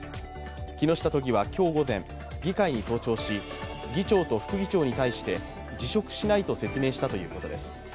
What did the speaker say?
木下都議は今日午前、議会に登庁し議長と副議長に対して辞職しないと説明したということです。